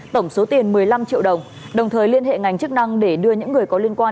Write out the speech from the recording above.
tổng số tiền một mươi năm triệu đồng đồng thời liên hệ ngành chức năng để đưa những người có liên quan